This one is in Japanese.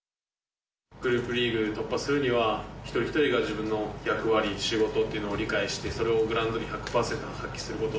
グループリーグ突破するには、一人一人が自分の役割、仕事っていうのを理解して、それをグラウンドに１００％発揮すること。